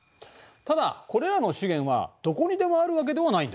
ただこれらの資源はどこにでもあるわけではないんだ。